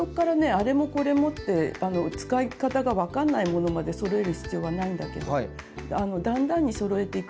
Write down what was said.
「あれもこれも」って使い方が分かんないものまでそろえる必要はないんだけどだんだんにそろえていくといいと思います。